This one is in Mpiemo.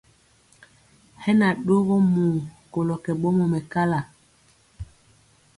Hɛ na ɗogɔ muu kolɔ kɛ ɓɔmɔ mɛkala.